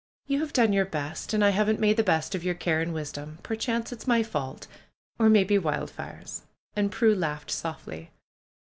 ^^You have done your best, and I haven't made the best of your care and wisdom. Per chance it's my fault; or maybe Wildfire's!" And Prue laughed softly.